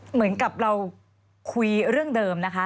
เหมือนกับเราคุยเรื่องเดิมนะคะ